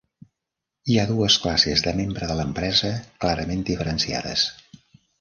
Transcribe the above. Hi ha dues classes de membre de l'empresa clarament diferenciades.